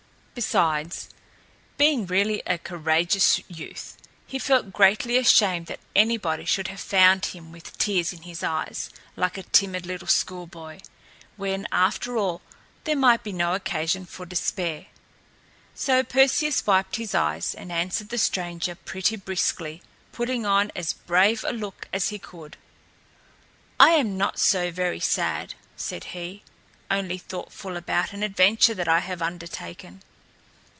Besides, being really a courageous youth, he felt greatly ashamed that anybody should have found him with tears in his eyes like a timid little schoolboy, when, after all, there might be no occasion for despair. So Perseus wiped his eyes and answered the stranger pretty briskly, putting on as brave a look as he could. "I am not so very sad," said he, "only thoughtful about an adventure that I have undertaken."